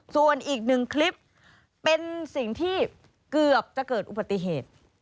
ส่วนอีกหนึ่งคลิปเป็นสิ่งที่เกือบจะเกิดอุบัติเหตุ